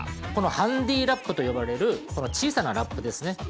このハンディーラップと呼ばれる小さなラップですね。